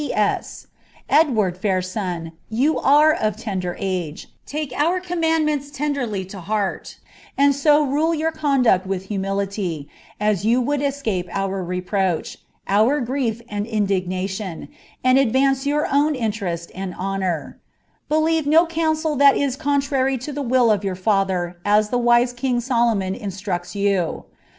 *P. S. Edward, fkir son, you are of tender age: take our commandments nderly to heart, and so rule your conduct with humility, as jrou would escape ir leproech, our grief and indignation, and advance your own interest and moor, fie lie ve no counsel tliat is contrary to the will of your father, as the ise king Solomon instructs you.